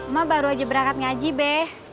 mama baru aja berangkat ngaji be